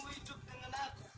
hidup dengan aku